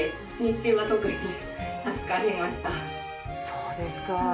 そうですか。